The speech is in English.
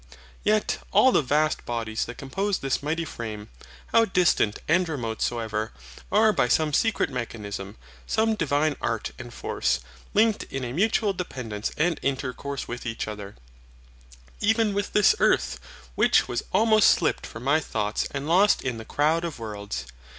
Yet all the vast bodies that compose this mighty frame, how distant and remote soever, are by some secret mechanism, some Divine art and force, linked in a mutual dependence and intercourse with each other; even with this earth, which was almost slipt from my thoughts and lost in the crowd of worlds.